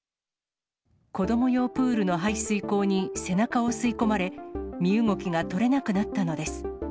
子ども用プールの排水口に背中を吸い込まれ、身動きが取れなくなったのです。